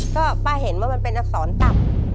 ก็ป้าเห็นว่ามันเป็นอักษรต่ำ